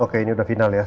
oke ini udah final ya